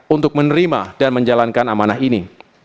untuk menerima dan menjalankan amanah ini